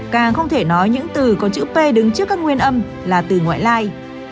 càng không thể nói những từ có chữ p đứng trước các nguyên âm là từ ngoại lai